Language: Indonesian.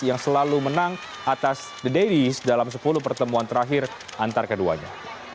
yang selalu menang atas the daddies dalam sepuluh pertemuan terakhir antar keduanya